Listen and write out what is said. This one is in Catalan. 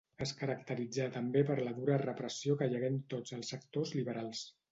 Es caracteritzà també per la dura repressió que hi hagué en tots els sectors liberals.